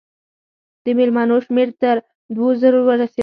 د مېلمنو شمېر تر دوو زرو ورسېدی.